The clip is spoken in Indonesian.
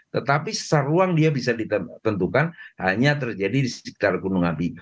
tetapi secara ruang dia bisa ditentukan hanya terjadi di sekitar gunung api